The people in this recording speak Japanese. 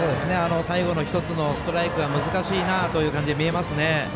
最後の１つのストライクが難しいなという感じに見えますね。